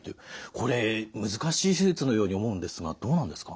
これ難しい手術のように思うんですがどうなんですか？